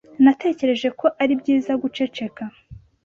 Natekereje ko ari byiza guceceka.